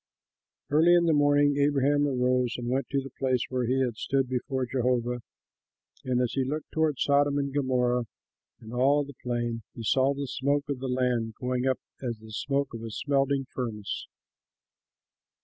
Early in the morning Abraham rose and went to the place where he had stood before Jehovah; and as he looked toward Sodom and Gomorrah and all the plain, he saw the smoke of the land going up as the smoke of a smelting furnace.